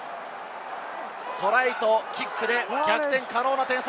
トライとキックで逆転可能な点差。